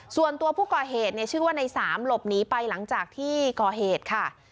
ส่วนตัวผู้ก่อเหตุชื่อว่าในสามหลบหนีไปหลังจากที่ก่อเหตุค่ะ